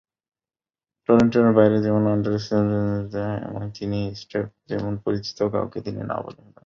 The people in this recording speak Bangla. টরন্টোর বাইরে যেমন অন্টারিওর উইন্ডসর-এর মতো জায়গায় তিনি স্ট্রিপ করতেন, যেন পরিচিত কেউ তাঁকে চিনে না ফেলে।